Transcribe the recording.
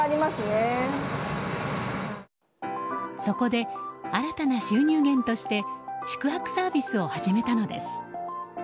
そこで、新たな収入源として宿泊サービスを始めたのです。